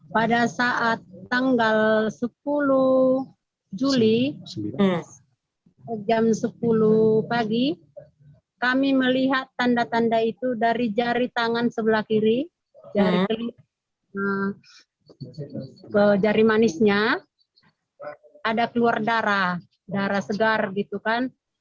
pada saat tanggal sepuluh juli jam sepuluh pagi kami melihat tanda tanda itu dari jari tangan sebelah kiri jari manisnya ada keluar darah darah segar gitu kan